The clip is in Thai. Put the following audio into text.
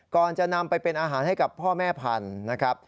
ก่อนจะนำไปเป็นอาหารให้กับพ่อแม่พันธุ์นะครับ